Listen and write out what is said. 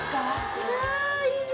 いやぁいいね！